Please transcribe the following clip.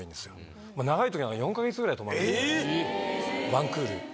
ワンクール。